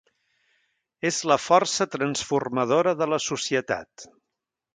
És la força transformadora de la societat.